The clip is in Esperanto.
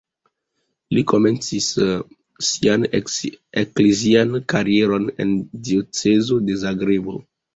Li komencis sian eklezian karieron en diocezo de Zagrebo.